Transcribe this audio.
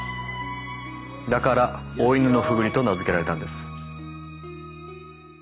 だからオオイヌノフグリと名付けられたんです。